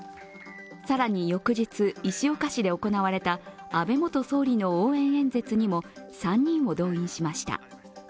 更に翌日、石岡市で行われた安倍元総理の応援演説にも３人を動員しました。